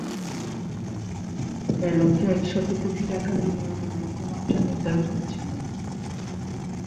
এ লক্ষ্যে একশত কোটি টাকা বিনিয়োগের লক্ষ্যমাত্রা নির্ধারিত ছিল।